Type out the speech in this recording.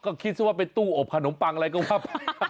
ก็คิดว่าไปตู้อบขนมปังอะไรก็ว่า